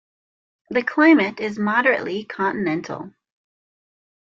The climate is moderately continental.